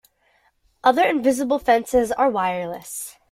Other invisible fences are wireless.